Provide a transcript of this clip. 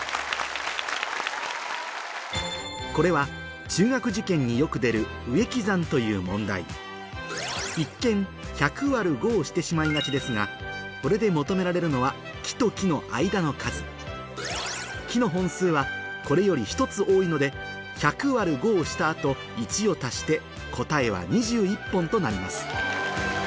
これは中学受験によく出る植木算という問題一見１００÷５をしてしまいがちですがこれで求められるのは木と木の間の数木の本数はこれより１つ多いので１００÷５をした後１を足して答えは２１本となります